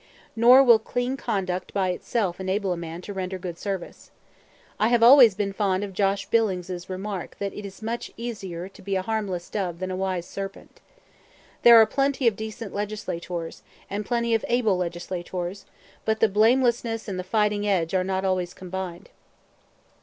Nor will clean conduct by itself enable a man to render good service. I have always been fond of Josh Billings's remark that "it is much easier to be a harmless dove than a wise serpent." There are plenty of decent legislators, and plenty of able legislators; but the blamelessness and the fighting edge are not always combined.